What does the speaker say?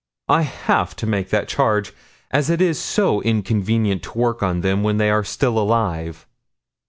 "I have to make that charge as it is so inconvenient to work on them when they are still alive."